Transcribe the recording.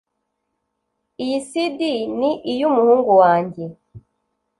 Iyi CD ni iyumuhungu wanjye